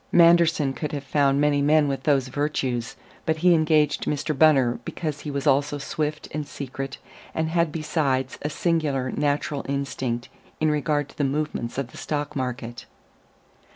Manderson could have found many men with those virtues: but he engaged Mr. Bunner because he was also swift and secret, and had besides a singular natural instinct in regard to the movements of the stock market.